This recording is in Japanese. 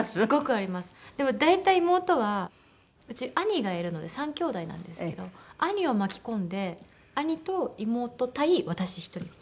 でも大体妹はうち兄がいるので３きょうだいなんですけど兄を巻き込んで兄と妹対私１人みたいな。